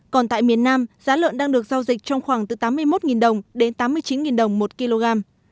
còn tại miền nam giá lợn đang được giao dịch trong khoảng từ tám mươi một đồng đến tám mươi chín đồng một kg